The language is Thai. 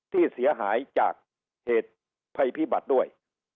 ที่เสียหายจากเหตุภัยพิบัติด้วย